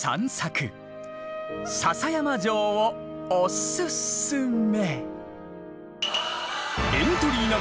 篠山城をおすすめ。